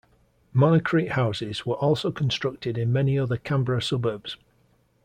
Monocrete houses were also constructed in many other Canberra suburbs.